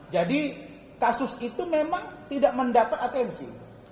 jadi kasus itu memang tidak mendapat atensi